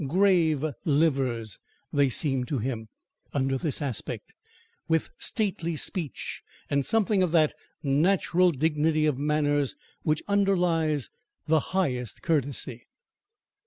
"Grave livers," they seemed to him, under this aspect, with stately speech, and something of that natural dignity of manners, which underlies the highest courtesy.